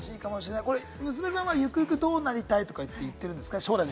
娘さんはゆくゆくどうなりたいとかって言ってるんですか？